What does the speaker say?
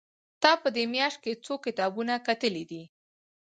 تا په دې مياشت کې څو کتابونه کتلي دي؟